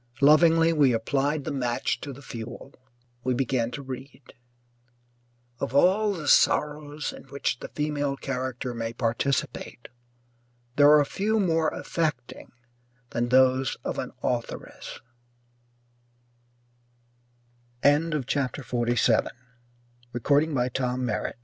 Lovingly we applied the match to the fuel. We began to read: Of all the sorrows in which the female character may participate, there are few more affecting than those of an authoress A stern, white coated official cam